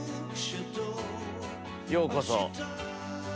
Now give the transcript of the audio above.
ようこそ。